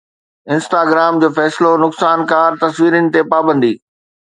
Instagram جو فيصلو نقصانڪار تصويرن تي پابندي